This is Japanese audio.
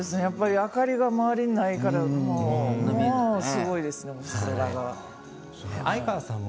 明かりが周りにないから、もうすごいですね、星空が。